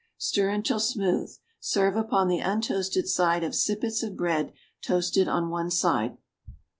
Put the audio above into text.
Stir until smooth. Serve upon the untoasted side of sippets of bread toasted on one side.